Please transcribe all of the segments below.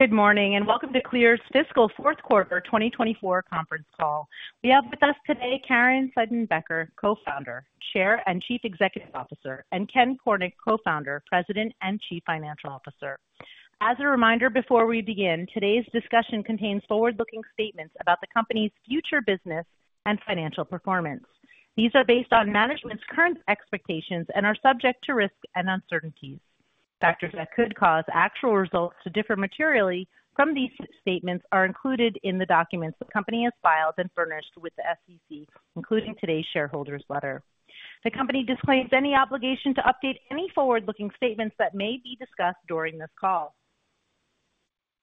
Good morning and welcome to Clear's Fiscal Fourth Quarter 2024 Conference Call. We have with us today Caryn Seidman-Becker, Co-Founder, Chair, and Chief Executive Officer, and Ken Cornick, Co-Founder, President, and Chief Financial Officer. As a reminder, before we begin, today's discussion contains forward-looking statements about the company's future business and financial performance. These are based on management's current expectations and are subject to risks and uncertainties. Factors that could cause actual results to differ materially from these statements are included in the documents the company has filed and furnished with the SEC, including today's shareholders' letter. The company disclaims any obligation to update any forward-looking statements that may be discussed during this call.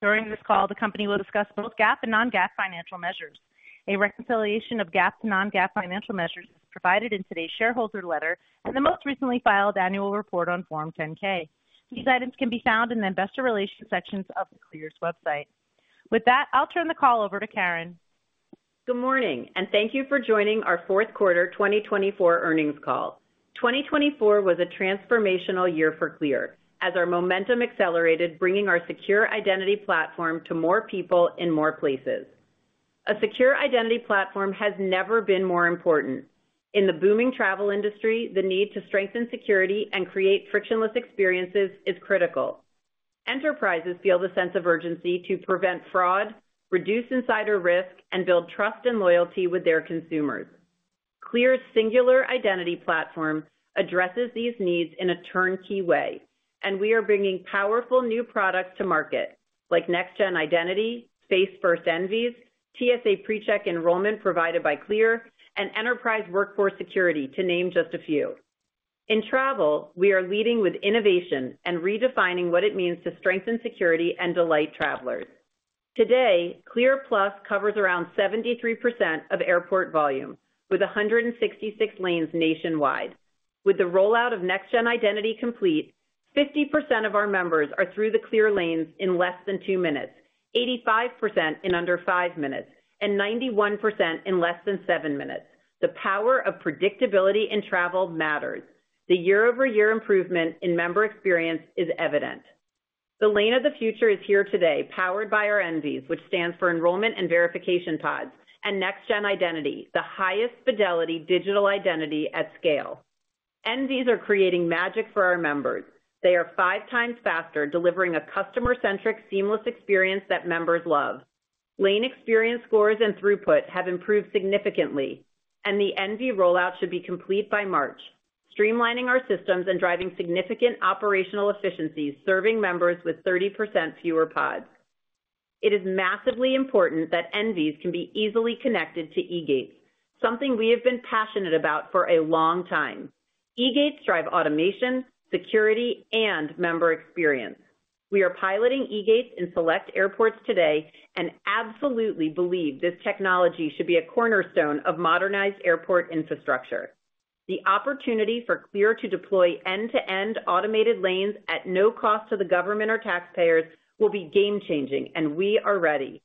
During this call, the company will discuss both GAAP and non-GAAP financial measures. A reconciliation of GAAP to non-GAAP financial measures is provided in today's shareholder letter and the most recently filed annual report on Form 10-K. These items can be found in the Investor Relations sections of the CLEAR's website. With that, I'll turn the call over to Caryn. Good morning and thank you for joining our Fourth Quarter 2024 Earnings Call. 2024 was a transformational year for CLEAR as our momentum accelerated, bringing our secure identity platform to more people in more places. A secure identity platform has never been more important. In the booming travel industry, the need to strengthen security and create frictionless experiences is critical. Enterprises feel the sense of urgency to prevent fraud, reduce insider risk, and build trust and loyalty with their consumers. CLEAR's singular identity platform addresses these needs in a turnkey way, and we are bringing powerful new products to market like NextGen Identity, face-first EnVes, TSA PreCheck Enrollment Provided by CLEAR, and Enterprise Workforce Security, to name just a few. In travel, we are leading with innovation and redefining what it means to strengthen security and delight travelers. Today, CLEAR Plus covers around 73% of airport volume with 166 lanes nationwide. With the rollout of NextGen Identity complete, 50% of our members are through the CLEAR lanes in less than two minutes, 85% in under five minutes, and 91% in less than seven minutes. The power of predictability in travel matters. The year-over-year improvement in member experience is evident. The lane of the future is here today, powered by our EnVes, which stands for Enrollment and Verification Pods, and NextGen Identity, the highest fidelity digital identity at scale. EnVes are creating magic for our members. They are five times faster, delivering a customer-centric, seamless experience that members love. Lane experience scores and throughput have improved significantly, and the EnVes rollout should be complete by March, streamlining our systems and driving significant operational efficiencies, serving members with 30% fewer pods. It is massively important that EnVes can be easily connected to eGates, something we have been passionate about for a long time. eGates drive automation, security, and member experience. We are piloting eGates in select airports today and absolutely believe this technology should be a cornerstone of modernized airport infrastructure. The opportunity for Clear to deploy end-to-end automated lanes at no cost to the government or taxpayers will be game-changing, and we are ready.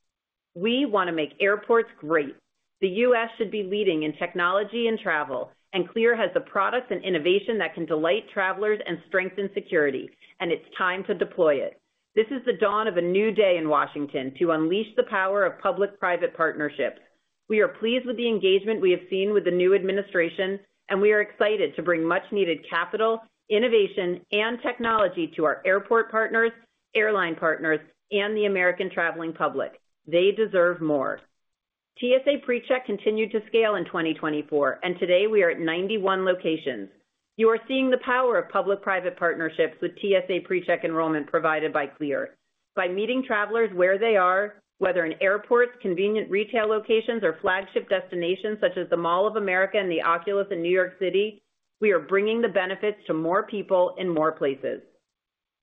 We want to make airports great. The U.S. should be leading in technology and travel, and Clear has the products and innovation that can delight travelers and strengthen security, and it's time to deploy it. This is the dawn of a new day in Washington to unleash the power of public-private partnerships. We are pleased with the engagement we have seen with the new administration, and we are excited to bring much-needed capital, innovation, and technology to our airport partners, airline partners, and the American traveling public. They deserve more. TSA PreCheck continued to scale in 2024, and today we are at 91 locations. You are seeing the power of public-private partnerships with TSA PreCheck enrollment provided by Clear. By meeting travelers where they are, whether in airports, convenient retail locations, or flagship destinations such as the Mall of America and the Oculus in New York City, we are bringing the benefits to more people in more places.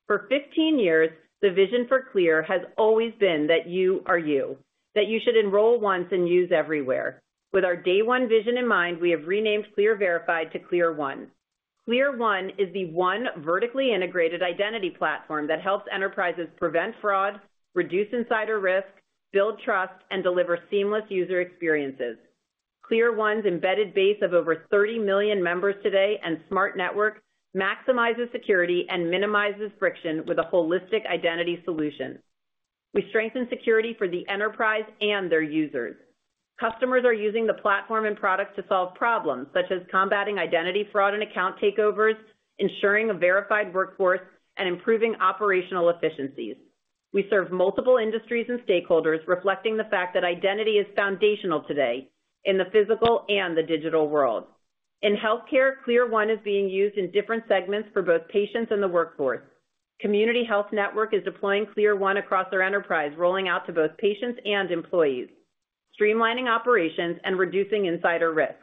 For 15 years, the vision for Clear has always been that you are you, that you should enroll once and use everywhere. With our Day One vision in mind, we have renamed CLEAR Verified to Clear ONE. CLEAR One is the one vertically integrated identity platform that helps enterprises prevent fraud, reduce insider risk, build trust, and deliver seamless user experiences. CLEAR One's embedded base of over 30 million members today and smart network maximizes security and minimizes friction with a holistic identity solution. We strengthen security for the enterprise and their users. Customers are using the platform and products to solve problems such as combating identity fraud and account takeovers, ensuring a verified workforce, and improving operational efficiencies. We serve multiple industries and stakeholders, reflecting the fact that identity is foundational today in the physical and the digital world. In healthcare, CLEAR One is being used in different segments for both patients and the workforce. Community Health Network is deploying CLEAR One across their enterprise, rolling out to both patients and employees, streamlining operations and reducing insider risk.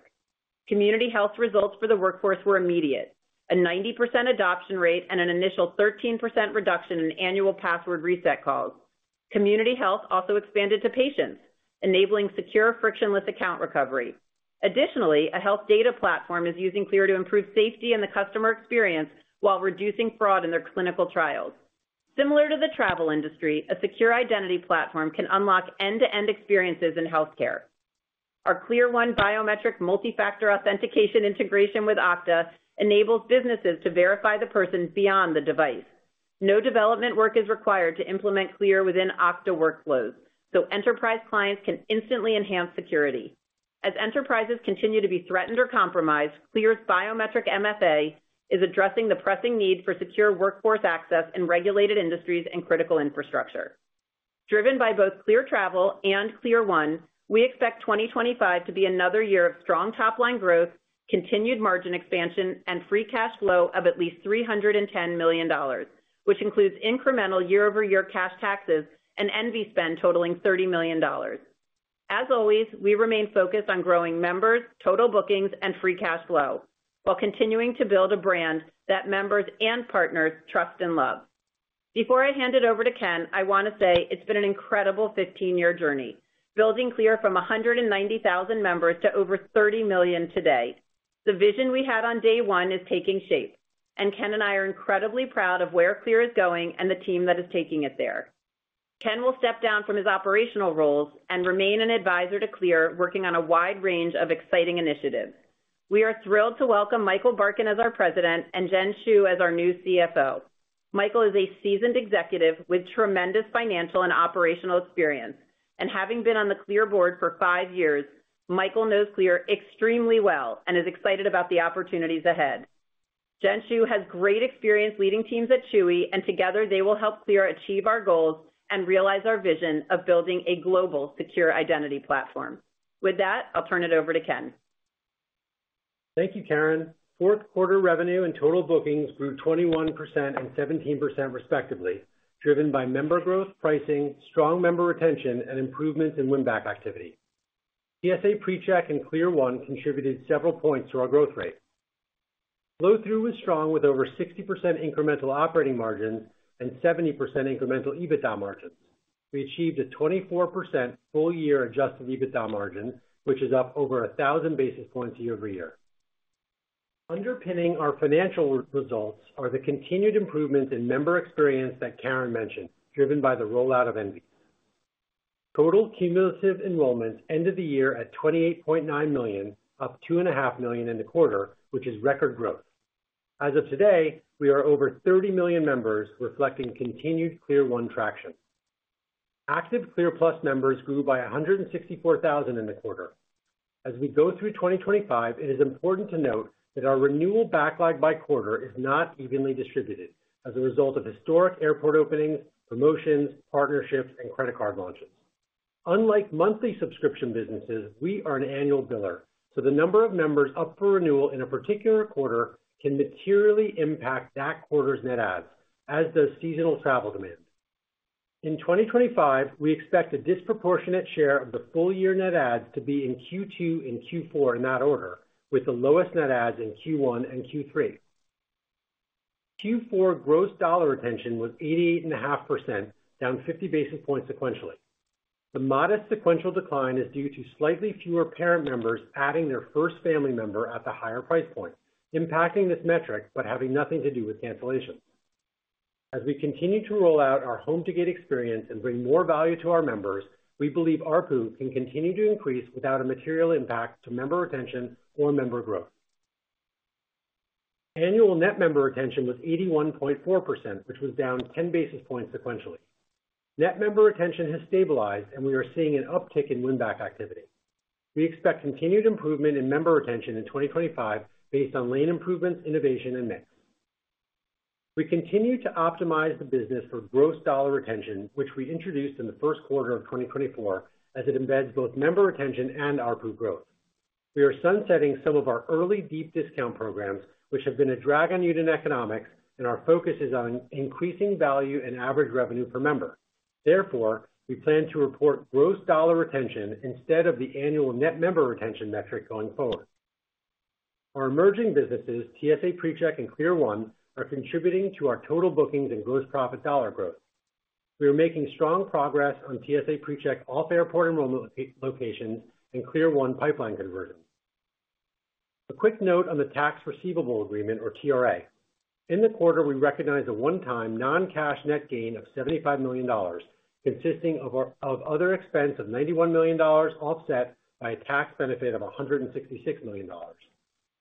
Community Health results for the workforce were immediate: a 90% adoption rate and an initial 13% reduction in annual password reset calls. Community Health also expanded to patients, enabling secure, frictionless account recovery. Additionally, a health data platform is using CLEAR to improve safety and the customer experience while reducing fraud in their clinical trials. Similar to the travel industry, a secure identity platform can unlock end-to-end experiences in healthcare. Our CLEAR One biometric multi-factor authentication integration with Okta enables businesses to verify the person beyond the device. No development work is required to implement CLEAR within Okta workflows, so enterprise clients can instantly enhance security. As enterprises continue to be threatened or compromised, CLEAR's biometric MFA is addressing the pressing need for secure workforce access in regulated industries and critical infrastructure. Driven by both CLEAR Travel and CLEAR One, we expect 2025 to be another year of strong top-line growth, continued margin expansion, and free cash flow of at least $310 million, which includes incremental year-over-year cash taxes and EnV spend totaling $30 million. As always, we remain focused on growing members, total bookings, and free cash flow, while continuing to build a brand that members and partners trust and love. Before I hand it over to Ken, I want to say it's been an incredible 15-year journey, building CLEAR from 190,000 members to over 30 million today. The vision we had on Day One is taking shape, and Ken and I are incredibly proud of where CLEAR is going and the team that is taking it there. Ken will step down from his operational roles and remain an advisor to CLEAR, working on a wide range of exciting initiatives. We are thrilled to welcome Michael Barkin as our President and Jen Hsu as our new CFO. Michael is a seasoned executive with tremendous financial and operational experience, and having been on the Clear board for five years, Michael knows Clear extremely well and is excited about the opportunities ahead. Jen Hsu has great experience leading teams at Chewy, and together they will help Clear achieve our goals and realize our vision of building a global secure identity platform. With that, I'll turn it over to Ken. Thank you, Caryn. Fourth quarter revenue and total bookings grew 21% and 17% respectively, driven by member growth, pricing, strong member retention, and improvements in win-back activity. TSA PreCheck and CLEAR One contributed several points to our growth rate. Flow-through was strong with over 60% incremental operating margins and 70% incremental EBITDA margins. We achieved a 24% full-year adjusted EBITDA margin, which is up over 1,000 basis points year-over-year. Underpinning our financial results are the continued improvements in member experience that Caryn mentioned, driven by the rollout of EnVes. Total cumulative enrollments ended the year at 28.9 million, up 2.5 million in the quarter, which is record growth. As of today, we are over 30 million members, reflecting continued CLEAR One traction. Active CLEAR Plus members grew by 164,000 in the quarter. As we go through 2025, it is important to note that our renewal backlog by quarter is not evenly distributed as a result of historic airport openings, promotions, partnerships, and credit card launches. Unlike monthly subscription businesses, we are an annual biller, so the number of members up for renewal in a particular quarter can materially impact that quarter's net adds, as does seasonal travel demand. In 2025, we expect a disproportionate share of the full-year net adds to be in Q2 and Q4 in that order, with the lowest net adds in Q1 and Q3. Q4 gross dollar retention was 88.5%, down 50 basis points sequentially. The modest sequential decline is due to slightly fewer parent members adding their first family member at the higher price point, impacting this metric but having nothing to do with cancellation. As we continue to roll out our home-to-gate experience and bring more value to our members, we believe our pool can continue to increase without a material impact to member retention or member growth. Annual net member retention was 81.4%, which was down 10 basis points sequentially. Net member retention has stabilized, and we are seeing an uptick in win-back activity. We expect continued improvement in member retention in 2025 based on lane improvements, innovation, and mix. We continue to optimize the business for gross dollar retention, which we introduced in the first quarter of 2024, as it embeds both member retention and our pool growth. We are sunsetting some of our early deep discount programs, which have been a drag on unit economics, and our focus is on increasing value and average revenue per member. Therefore, we plan to report gross dollar retention instead of the annual net member retention metric going forward. Our emerging businesses, TSA PreCheck and CLEAR One, are contributing to our total bookings and gross profit dollar growth. We are making strong progress on TSA PreCheck off-airport enrollment locations and CLEAR One pipeline conversion. A quick note on the tax receivable agreement, or TRA. In the quarter, we recognized a one-time non-cash net gain of $75 million, consisting of other expense of $91 million offset by a tax benefit of $166 million.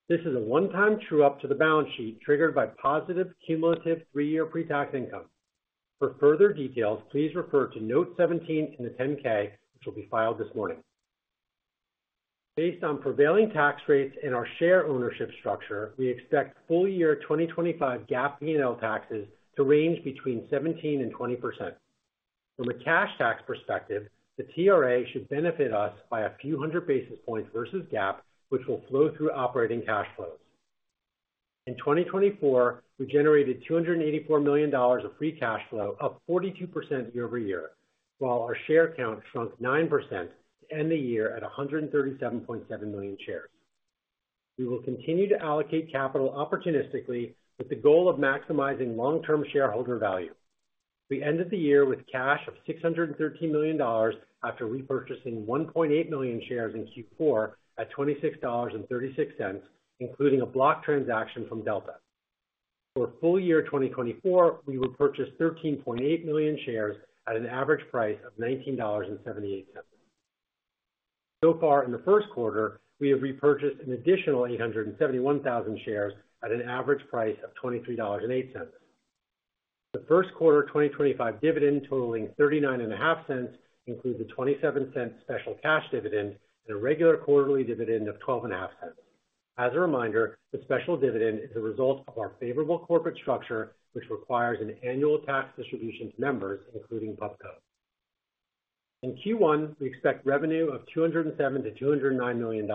This is a one-time true-up to the balance sheet triggered by positive cumulative three-year pre-tax income. For further details, please refer to Note 17 in the 10-K, which will be filed this morning. Based on prevailing tax rates and our share ownership structure, we expect full-year 2025 GAAP P&L taxes to range between 17%-20%. From a cash tax perspective, the TRA should benefit us by a few hundred basis points versus GAAP, which will flow through operating cash flows. In 2024, we generated $284 million of free cash flow, up 42% year-over-year, while our share count shrunk 9% to end the year at 137.7 million shares. We will continue to allocate capital opportunistically with the goal of maximizing long-term shareholder value. We ended the year with cash of $613 million after repurchasing 1.8 million shares in Q4 at $26.36, including a block transaction from Delta. For full-year 2024, we repurchased 13.8 million shares at an average price of $19.78. So far in the first quarter, we have repurchased an additional 871,000 shares at an average price of $23.08. The first quarter 2025 dividend totaling $0.3950 includes a $0.27 special cash dividend and a regular quarterly dividend of $0.1250. As a reminder, the special dividend is a result of our favorable corporate structure, which requires an annual tax distribution to members, including PubCo. In Q1, we expect revenue of $207-$209 million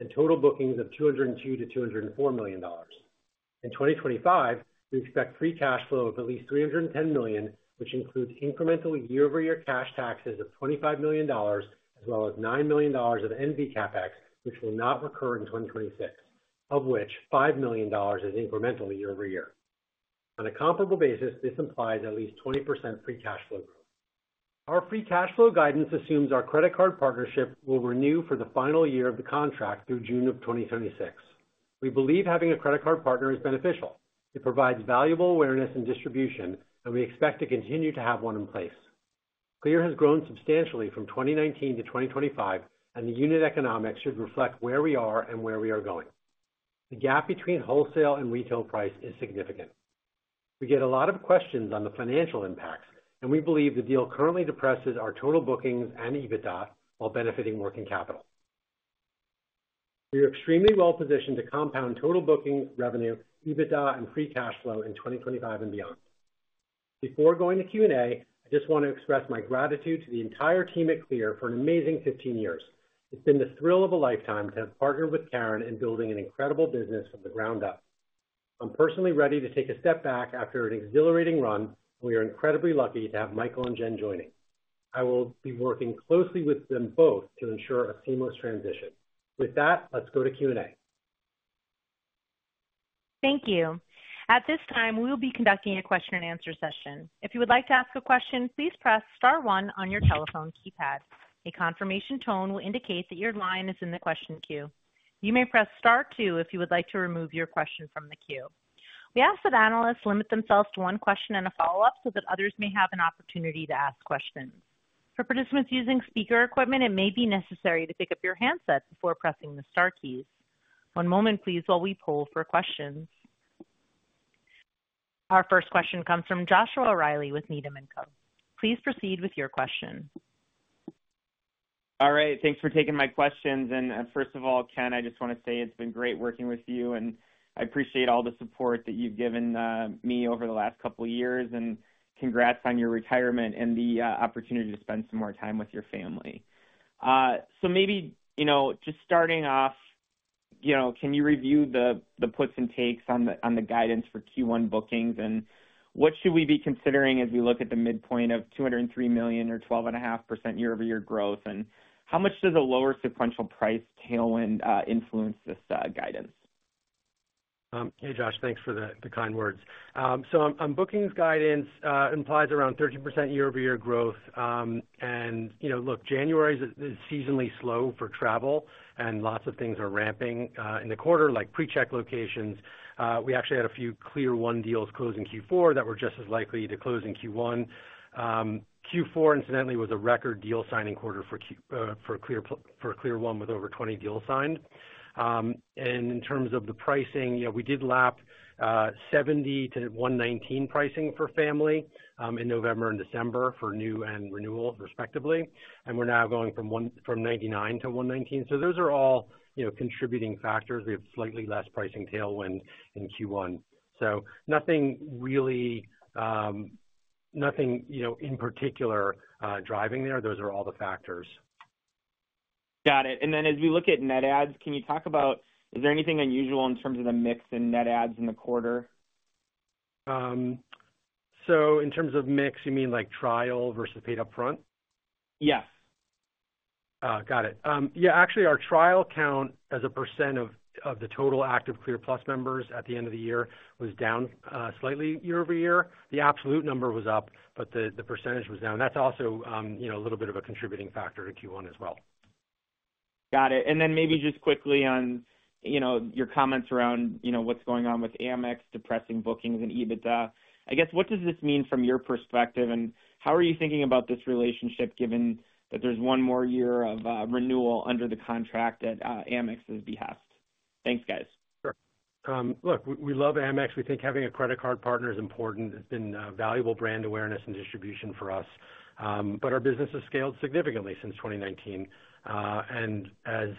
and total bookings of $202-$204 million. In 2025, we expect free cash flow of at least $310 million, which includes incremental year-over-year cash taxes of $25 million, as well as $9 million of EnV CapEx, which will not recur in 2026, of which $5 million is incremental year-over-year. On a comparable basis, this implies at least 20% free cash flow growth. Our free cash flow guidance assumes our credit card partnership will renew for the final year of the contract through June of 2026. We believe having a credit card partner is beneficial. It provides valuable awareness and distribution, and we expect to continue to have one in place. CLEAR has grown substantially from 2019 to 2025, and the unit economics should reflect where we are and where we are going. The gap between wholesale and retail price is significant. We get a lot of questions on the financial impacts, and we believe the deal currently depresses our total bookings and EBITDA while benefiting working capital. We are extremely well-positioned to compound total bookings, revenue, EBITDA, and free cash flow in 2025 and beyond. Before going to Q&A, I just want to express my gratitude to the entire team at CLEAR for an amazing 15 years. It's been the thrill of a lifetime to have partnered with Caryn in building an incredible business from the ground up. I'm personally ready to take a step back after an exhilarating run, and we are incredibly lucky to have Michael and Jen joining. I will be working closely with them both to ensure a seamless transition. With that, let's go to Q&A. Thank you. At this time, we will be conducting a question-and-answer session. If you would like to ask a question, please press Star 1 on your telephone keypad. A confirmation tone will indicate that your line is in the question queue. You may press Star 2 if you would like to remove your question from the queue. We ask that analysts limit themselves to one question and a follow-up so that others may have an opportunity to ask questions. For participants using speaker equipment, it may be necessary to pick up your handset before pressing the Star keys. One moment, please, while we poll for questions. Our first question comes from Joshua Reilly with Needham & Co. Please proceed with your question. All right. Thanks for taking my questions. And first of all, Ken, I just want to say it's been great working with you, and I appreciate all the support that you've given me over the last couple of years. And congrats on your retirement and the opportunity to spend some more time with your family. So maybe just starting off, can you review the puts and takes on the guidance for Q1 bookings? And what should we be considering as we look at the midpoint of $203 million or 12.5% year-over-year growth? And how much does a lower sequential price tailwind influence this guidance? Hey, Josh. Thanks for the kind words. So on bookings guidance, it implies around 30% year-over-year growth. And look, January is seasonally slow for travel, and lots of things are ramping in the quarter, like PreCheck locations. We actually had a few CLEAR One deals close in Q4 that were just as likely to close in Q1. Q4, incidentally, was a record deal signing quarter for CLEAR One with over 20 deals signed. And in terms of the pricing, we did lap $70-$119 pricing for family in November and December for new and renewal, respectively. And we're now going from $99 to $119. So those are all contributing factors. We have slightly less pricing tailwind in Q1. So nothing in particular driving there. Those are all the factors. Got it. And then as we look at net adds, can you talk about is there anything unusual in terms of the mix in net adds in the quarter? In terms of mix, you mean like trial versus paid upfront? Yes. Got it. Yeah. Actually, our trial count as a % of the total active CLEAR Plus members at the end of the year was down slightly year-over-year. The absolute number was up, but the percentage was down. That's also a little bit of a contributing factor in Q1 as well. Got it. And then maybe just quickly on your comments around what's going on with Amex depressing bookings and EBITDA. I guess, what does this mean from your perspective, and how are you thinking about this relationship given that there's one more year of renewal under the contract at Amex's behest? Thanks, guys. Sure. Look, we love Amex. We think having a credit card partner is important. It's been valuable brand awareness and distribution for us. But our business has scaled significantly since 2019. And as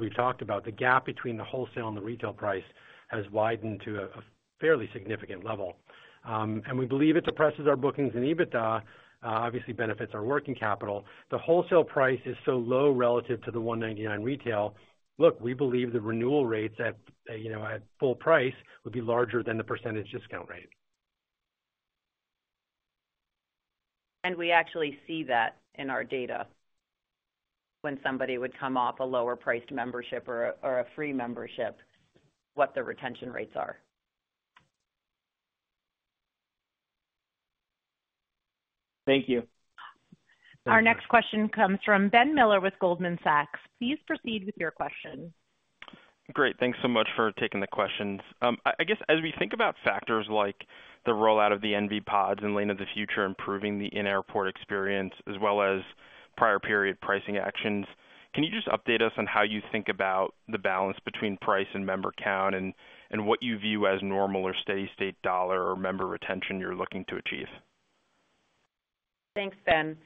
we've talked about, the gap between the wholesale and the retail price has widened to a fairly significant level. And we believe it depresses our bookings and EBITDA, obviously benefits our working capital. The wholesale price is so low relative to the $199 retail, look, we believe the renewal rates at full price would be larger than the percentage discount rate. We actually see that in our data when somebody would come off a lower-priced membership or a free membership, what the retention rates are. Thank you. Our next question comes from Ben Miller with Goldman Sachs. Please proceed with your question. Great. Thanks so much for taking the questions. I guess as we think about factors like the rollout of the EnVes and Lane of the Future improving the in-airport experience, as well as prior period pricing actions, can you just update us on how you think about the balance between price and member count and what you view as normal or steady-state dollar or member retention you're looking to achieve? Thanks, Ben.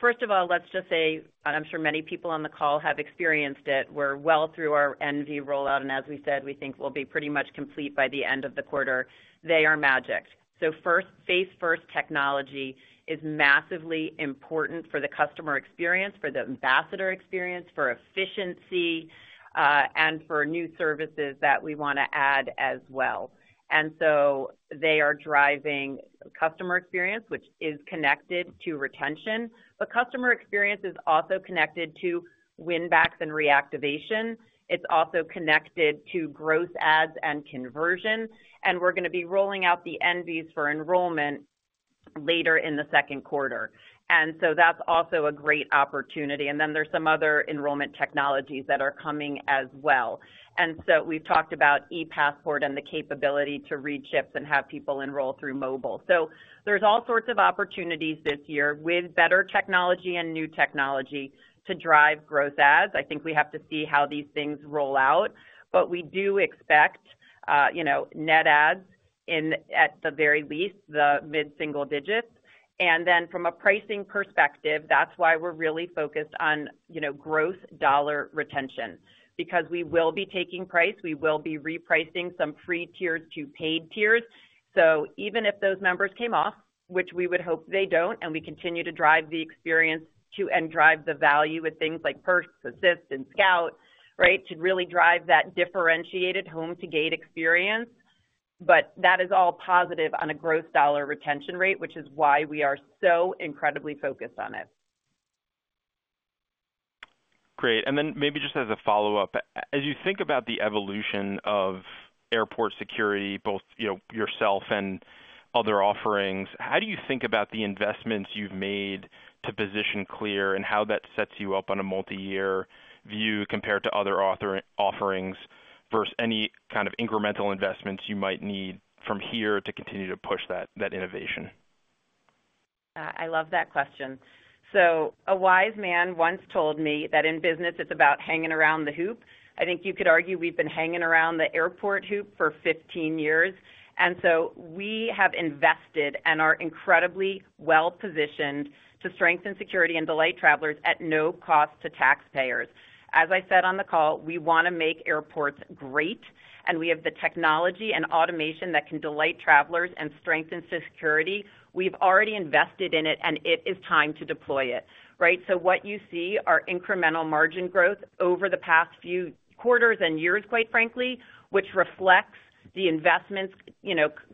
First of all, let's just say, and I'm sure many people on the call have experienced it. We're well through our EnVes rollout. And as we said, we think we'll be pretty much complete by the end of the quarter. They are magic. So face-first technology is massively important for the customer experience, for the ambassador experience, for efficiency, and for new services that we want to add as well. And so they are driving customer experience, which is connected to retention. But customer experience is also connected to win-backs and reactivation. It's also connected to gross adds and conversion. And we're going to be rolling out the EnVes for enrollment later in the second quarter. And so that's also a great opportunity. And then there's some other enrollment technologies that are coming as well. And so we've talked about ePassport and the capability to read chips and have people enroll through mobile. So there's all sorts of opportunities this year with better technology and new technology to drive gross adds. I think we have to see how these things roll out. But we do expect net adds at the very least, the mid-single digits. And then from a pricing perspective, that's why we're really focused on gross dollar retention, because we will be taking price. We will be repricing some free tiers to paid tiers. So even if those members came off, which we would hope they don't, and we continue to drive the experience and drive the value with things like Perks, Assist, and Scout, right, to really drive that differentiated home-to-gate experience. But that is all positive on a gross dollar retention rate, which is why we are so incredibly focused on it. Great. And then maybe just as a follow-up, as you think about the evolution of airport security, both yourself and other offerings, how do you think about the investments you've made to position CLEAR and how that sets you up on a multi-year view compared to other offerings versus any kind of incremental investments you might need from here to continue to push that innovation? I love that question. So a wise man once told me that in business, it's about hanging around the hoop. I think you could argue we've been hanging around the airport hoop for 15 years. And so we have invested and are incredibly well-positioned to strengthen security and delight travelers at no cost to taxpayers. As I said on the call, we want to make airports great. And we have the technology and automation that can delight travelers and strengthen security. We've already invested in it, and it is time to deploy it, right? So what you see are incremental margin growth over the past few quarters and years, quite frankly, which reflects the investments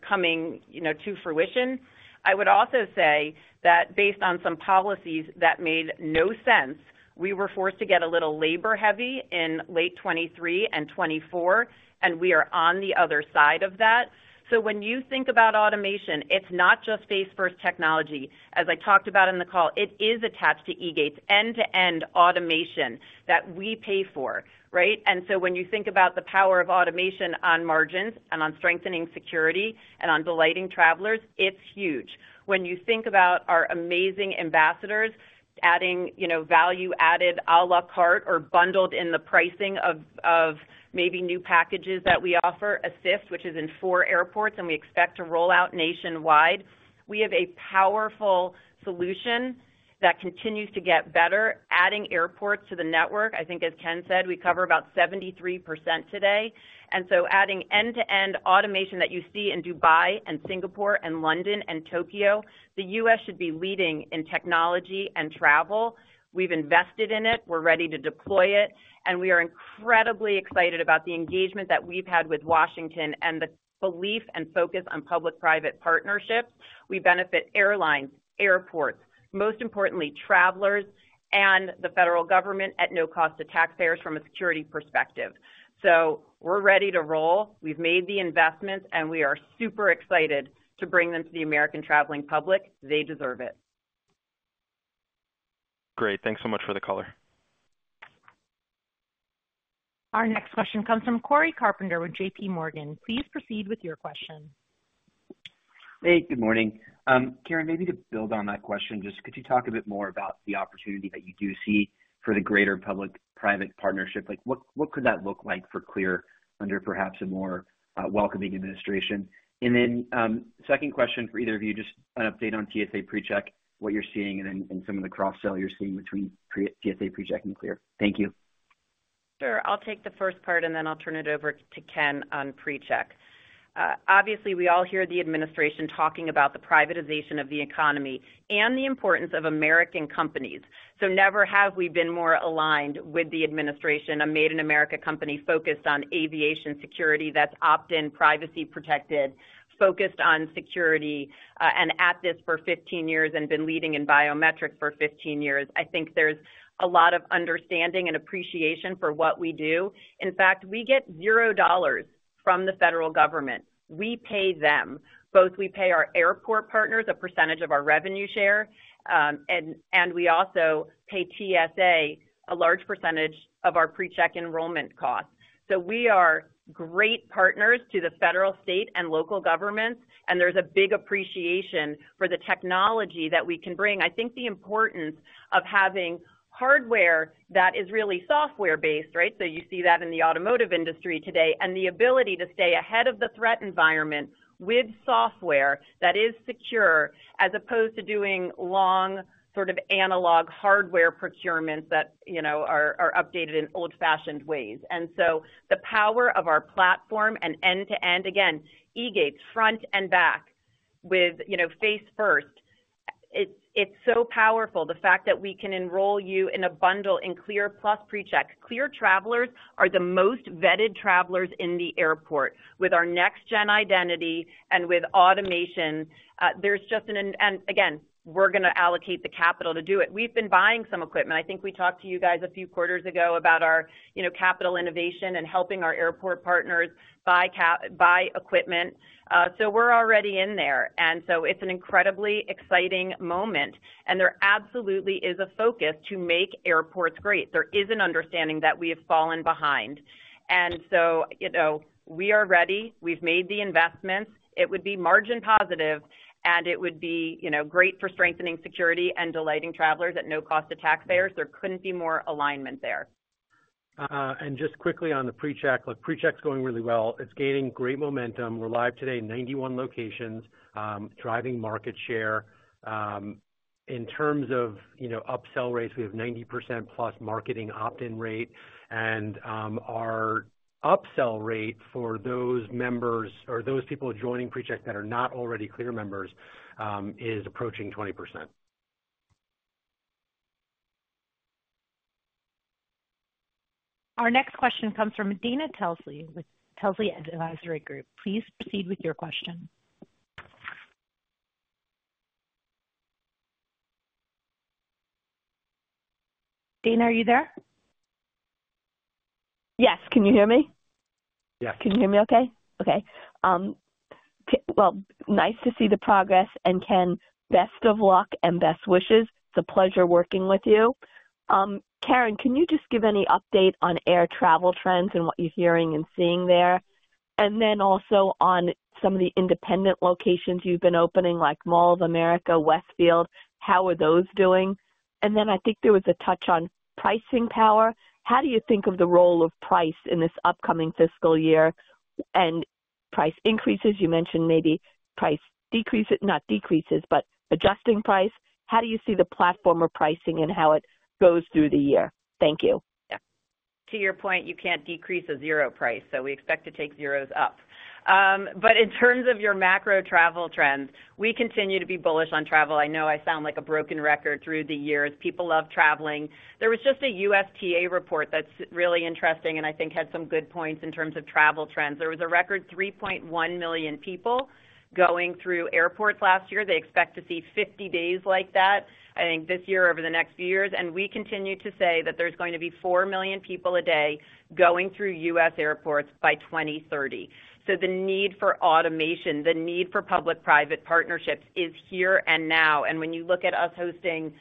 coming to fruition. I would also say that based on some policies that made no sense, we were forced to get a little labor-heavy in late 2023 and 2024, and we are on the other side of that. So when you think about automation, it's not just face-first technology. As I talked about in the call, it is attached to eGates, end-to-end automation that we pay for, right? And so when you think about the power of automation on margins and on strengthening security and on delighting travelers, it's huge. When you think about our amazing ambassadors adding value-added à la carte or bundled in the pricing of maybe new packages that we offer, Assist, which is in four airports, and we expect to roll out nationwide, we have a powerful solution that continues to get better. Adding airports to the network, I think, as Ken said, we cover about 73% today. And so adding end-to-end automation that you see in Dubai and Singapore and London and Tokyo, the U.S. should be leading in technology and travel. We've invested in it. We're ready to deploy it. And we are incredibly excited about the engagement that we've had with Washington and the belief and focus on public-private partnerships. We benefit airlines, airports, most importantly, travelers, and the federal government at no cost to taxpayers from a security perspective. So we're ready to roll. We've made the investments, and we are super excited to bring them to the American traveling public. They deserve it. Great. Thanks so much for the color. Our next question comes from Cory Carpenter with J.P. Morgan. Please proceed with your question. Hey, good morning. Caryn, maybe to build on that question, just could you talk a bit more about the opportunity that you do see for the greater public-private partnership? What could that look like for Clear under perhaps a more welcoming administration? And then second question for either of you, just an update on TSA PreCheck, what you're seeing, and then some of the cross-sell you're seeing between TSA PreCheck and Clear. Thank you. Sure. I'll take the first part, and then I'll turn it over to Ken on PreCheck. Obviously, we all hear the administration talking about the privatization of the economy and the importance of American companies, so never have we been more aligned with the administration, a Made in America company focused on aviation security that's opt-in, privacy protected, focused on security, and at this for 15 years and been leading in biometrics for 15 years. I think there's a lot of understanding and appreciation for what we do. In fact, we get $0 from the federal government. We pay them. Both we pay our airport partners a percentage of our revenue share, and we also pay TSA a large percentage of our PreCheck enrollment costs, so we are great partners to the federal, state, and local governments, and there's a big appreciation for the technology that we can bring. I think the importance of having hardware that is really software-based, right? So you see that in the automotive industry today, and the ability to stay ahead of the threat environment with software that is secure as opposed to doing long sort of analog hardware procurements that are updated in old-fashioned ways. And so the power of our platform and end-to-end, again, eGates, front and back with face-first, it's so powerful. The fact that we can enroll you in a bundle in CLEAR Plus PreCheck, CLEAR Travelers are the most vetted travelers in the airport. With our next-gen identity and with automation, there's just an—and again, we're going to allocate the capital to do it. We've been buying some equipment. I think we talked to you guys a few quarters ago about our capital innovation and helping our airport partners buy equipment. So we're already in there. And so it's an incredibly exciting moment. And there absolutely is a focus to make airports great. There is an understanding that we have fallen behind. And so we are ready. We've made the investments. It would be margin positive, and it would be great for strengthening security and delighting travelers at no cost to taxpayers. There couldn't be more alignment there. Just quickly on the PreCheck, look, PreCheck's going really well. It's gaining great momentum. We're live today in 91 locations, driving market share. In terms of upsell rates, we have 90% plus marketing opt-in rate. Our upsell rate for those members or those people joining PreCheck that are not already Clear members is approaching 20%. Our next question comes from Dana Telsey with Telsey Advisory Group. Please proceed with your question. Dana, are you there? Yes. Can you hear me? Yes. Can you hear me okay? Okay. Well, nice to see the progress. And Ken, best of luck and best wishes. It's a pleasure working with you. Caryn, can you just give any update on air travel trends and what you're hearing and seeing there? And then also on some of the independent locations you've been opening, like Mall of America, Westfield, how are those doing? And then I think there was a touch on pricing power. How do you think of the role of price in this upcoming fiscal year? And price increases, you mentioned maybe price decreases, not decreases, but adjusting price. How do you see the platform or pricing and how it goes through the year? Thank you. Yeah. To your point, you can't decrease a zero price. So we expect to take zeros up. But in terms of your macro travel trends, we continue to be bullish on travel. I know I sound like a broken record through the years. People love traveling. There was just a USTA report that's really interesting and I think had some good points in terms of travel trends. There was a record 3.1 million people going through airports last year. They expect to see 50 days like that, I think, this year over the next few years. And we continue to say that there's going to be 4 million people a day going through U.S. airports by 2030. So the need for automation, the need for public-private partnerships is here and now. When you look at us hosting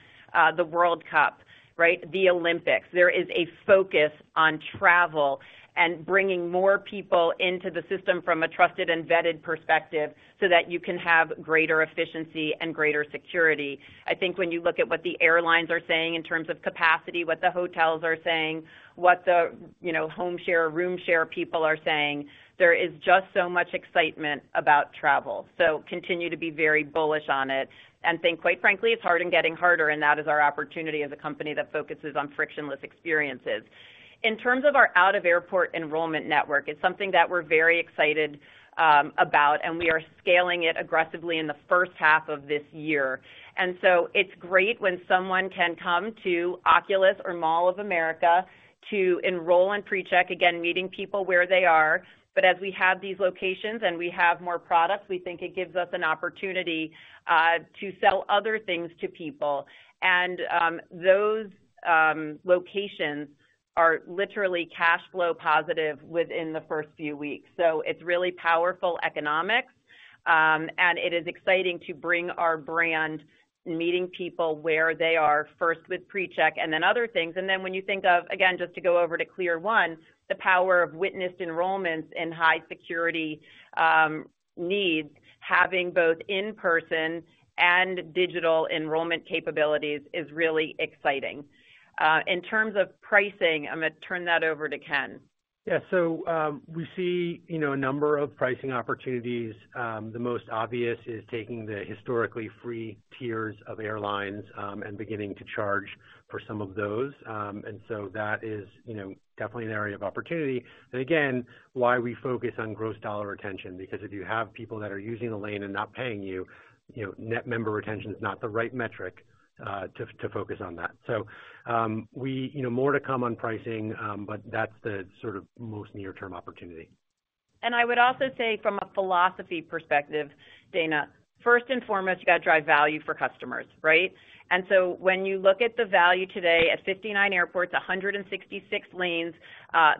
the World Cup, right, the Olympics, there is a focus on travel and bringing more people into the system from a trusted and vetted perspective so that you can have greater efficiency and greater security. I think when you look at what the airlines are saying in terms of capacity, what the hotels are saying, what the home share, room share people are saying, there is just so much excitement about travel. So continue to be very bullish on it. And I think, quite frankly, it's hard and getting harder. And that is our opportunity as a company that focuses on frictionless experiences. In terms of our out-of-airport enrollment network, it's something that we're very excited about. And we are scaling it aggressively in the first half of this year. And so it's great when someone can come to the Oculus or Mall of America to enroll in PreCheck, again, meeting people where they are. But as we have these locations and we have more products, we think it gives us an opportunity to sell other things to people. And those locations are literally cash flow positive within the first few weeks. So it's really powerful economics. And it is exciting to bring our brand, meeting people where they are, first with PreCheck and then other things. And then when you think of, again, just to go over to CLEAR One, the power of witnessed enrollments and high security needs, having both in-person and digital enrollment capabilities is really exciting. In terms of pricing, I'm going to turn that over to Ken. Yeah. So we see a number of pricing opportunities. The most obvious is taking the historically free tiers of airlines and beginning to charge for some of those. And so that is definitely an area of opportunity. And again, why we focus on gross dollar retention, because if you have people that are using the lane and not paying you, net member retention is not the right metric to focus on that. So more to come on pricing, but that's the sort of most near-term opportunity. I would also say from a philosophy perspective, Dana, first and foremost, you got to drive value for customers, right? When you look at the value today at 59 airports, 166 lanes,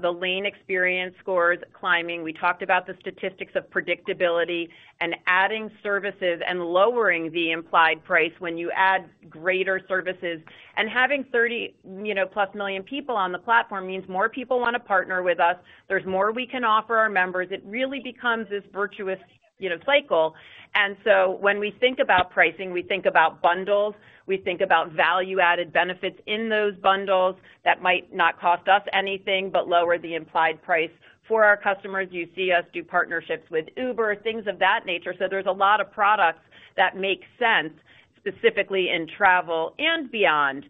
the lane experience scores climbing. We talked about the statistics of predictability and adding services and lowering the implied price when you add greater services. Having 30-plus million people on the platform means more people want to partner with us. There's more we can offer our members. It really becomes this virtuous cycle. When we think about pricing, we think about bundles. We think about value-added benefits in those bundles that might not cost us anything but lower the implied price for our customers. You see us do partnerships with Uber, things of that nature. There's a lot of products that make sense specifically in travel and beyond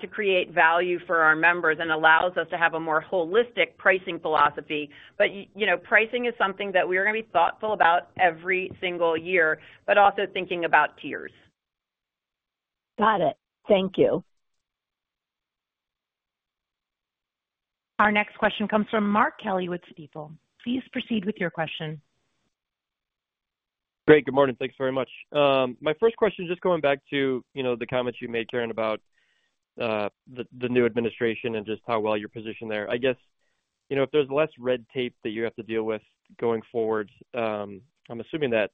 to create value for our members and allows us to have a more holistic pricing philosophy. Pricing is something that we are going to be thoughtful about every single year, but also thinking about tiers. Got it. Thank you. Our next question comes from Mark Kelley with Stifel. Please proceed with your question. Great. Good morning. Thanks very much. My first question, just going back to the comments you made, Caryn, about the new administration and just how well you're positioned there. I guess if there's less red tape that you have to deal with going forward, I'm assuming that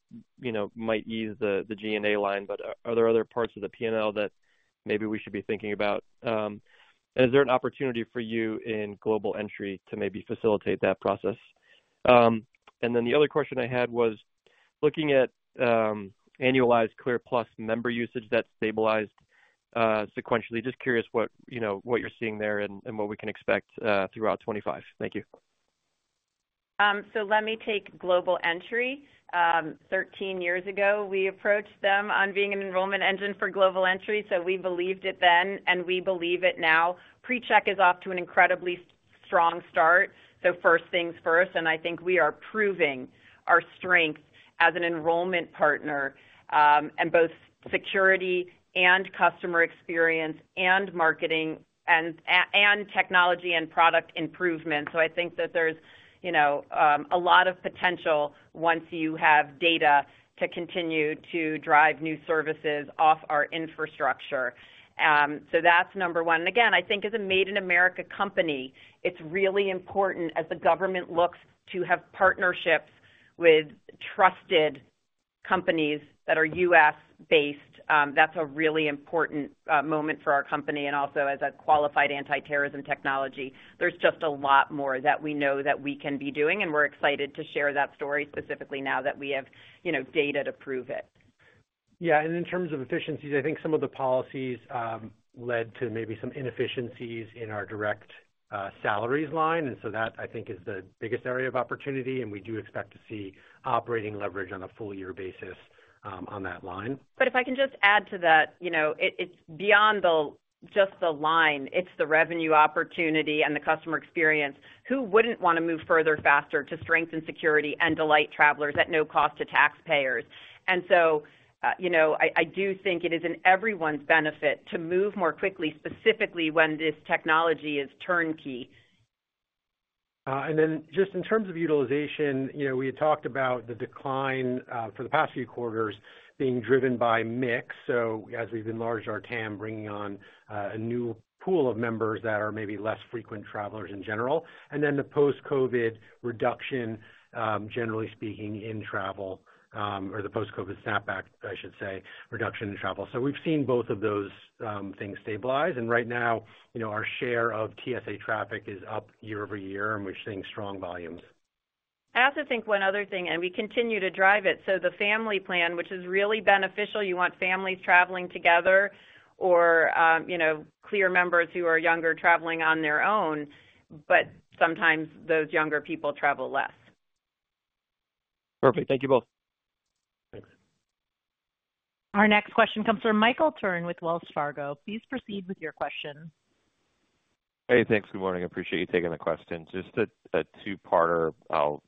might ease the G&A line, but are there other parts of the P&L that maybe we should be thinking about? And is there an opportunity for you in Global Entry to maybe facilitate that process? And then the other question I had was looking at annualized CLEAR Plus member usage that stabilized sequentially. Just curious what you're seeing there and what we can expect throughout 2025. Thank you. So let me take Global Entry. 13 years ago, we approached them on being an enrollment engine for Global Entry. So we believed it then, and we believe it now. PreCheck is off to an incredibly strong start. So first things first. And I think we are proving our strength as an enrollment partner in both security and customer experience and marketing and technology and product improvement. So I think that there's a lot of potential once you have data to continue to drive new services off our infrastructure. So that's number one. And again, I think as a Made in America company, it's really important as the government looks to have partnerships with trusted companies that are U.S.-based. That's a really important moment for our company and also as a qualified anti-terrorism technology. There's just a lot more that we know that we can be doing. We're excited to share that story specifically now that we have data to prove it. Yeah. And in terms of efficiencies, I think some of the policies led to maybe some inefficiencies in our direct salaries line. And so that, I think, is the biggest area of opportunity. And we do expect to see operating leverage on a full-year basis on that line. But if I can just add to that, it's beyond just the line. It's the revenue opportunity and the customer experience. Who wouldn't want to move further, faster, to strengthen security and delight travelers at no cost to taxpayers? And so I do think it is in everyone's benefit to move more quickly, specifically when this technology is turnkey. And then just in terms of utilization, we had talked about the decline for the past few quarters being driven by mix. So as we've enlarged our TAM, bringing on a new pool of members that are maybe less frequent travelers in general. And then the post-COVID reduction, generally speaking, in travel, or the post-COVID snapback, I should say, reduction in travel. So we've seen both of those things stabilize. And right now, our share of TSA traffic is up year over year, and we're seeing strong volumes. I also think one other thing, and we continue to drive it so the family plan, which is really beneficial. You want families traveling together or CLEAR members who are younger traveling on their own, but sometimes those younger people travel less. Perfect. Thank you both. Our next question comes from Michael Turrin with Wells Fargo. Please proceed with your question. Hey, thanks. Good morning. I appreciate you taking the question. Just a two-parter I'll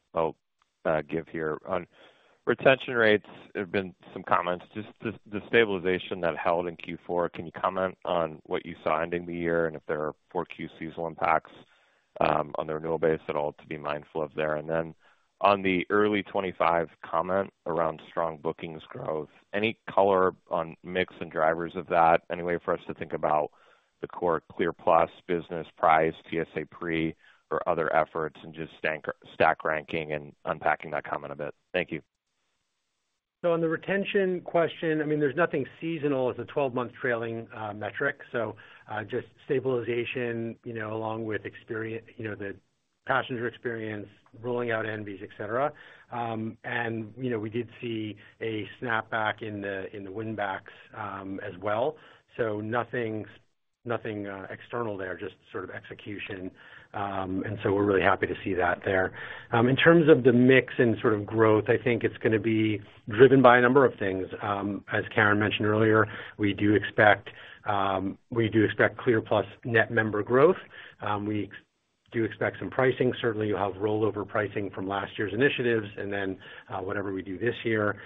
give here. On retention rates, there have been some comments. Just the stabilization that held in Q4, can you comment on what you saw ending the year and if there are for Q seasonal impacts on the renewal base at all to be mindful of there? And then on the early 2025 comment around strong bookings growth, any color on mix and drivers of that? Any way for us to think about the core CLEAR Plus business, price, TSA Pre or other efforts and just stack ranking and unpacking that comment a bit? Thank you. So on the retention question, I mean, there's nothing seasonal as a 12-month trailing metric. So just stabilization along with the passenger experience, rolling out EnVes, etc. And we did see a snapback in the win backs as well. So nothing external there, just sort of execution. And so we're really happy to see that there. In terms of the mix and sort of growth, I think it's going to be driven by a number of things. As Caryn mentioned earlier, we do expect CLEAR Plus net member growth. We do expect some pricing. Certainly, you'll have rollover pricing from last year's initiatives. And then whatever we do this year,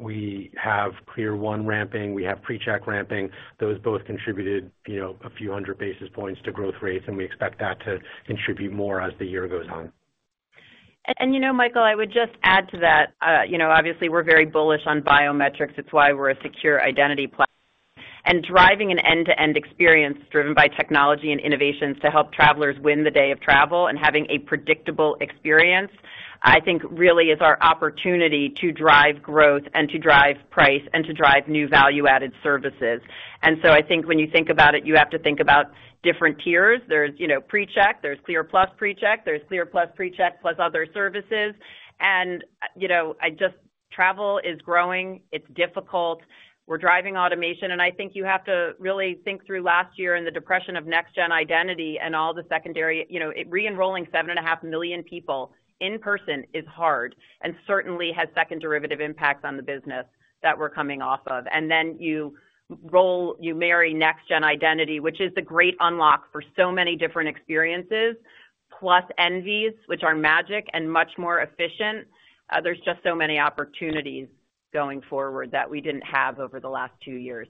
we have CLEAR One ramping. We have PreCheck ramping. Those both contributed a few hundred basis points to growth rates. And we expect that to contribute more as the year goes on. And you know, Michael, I would just add to that. Obviously, we're very bullish on biometrics. It's why we're a secure identity platform. And driving an end-to-end experience driven by technology and innovations to help travelers win the day of travel and having a predictable experience, I think really is our opportunity to drive growth and to drive price and to drive new value-added services. And so I think when you think about it, you have to think about different tiers. There's PreCheck. There's CLEAR Plus PreCheck. There's CLEAR Plus PreCheck plus other services. And just travel is growing. It's difficult. We're driving automation. And I think you have to really think through last year and the depression of Next-Gen Identity and all the secondary re-enrolling 7.5 million people in person is hard and certainly has second derivative impacts on the business that we're coming off of. Then you marry Next-Gen Identity, which is the great unlock for so many different experiences, plus EnVes, which are magic and much more efficient. There's just so many opportunities going forward that we didn't have over the last two years.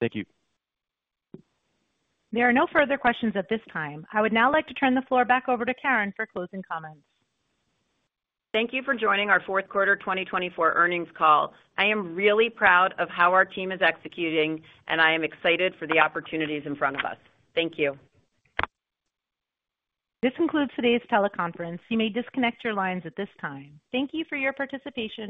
Thank you. There are no further questions at this time. I would now like to turn the floor back over to Caryn for closing comments. Thank you for joining our fourth quarter 2024 earnings call. I am really proud of how our team is executing, and I am excited for the opportunities in front of us. Thank you. This concludes today's teleconference. You may disconnect your lines at this time. Thank you for your participation.